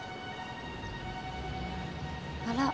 あら。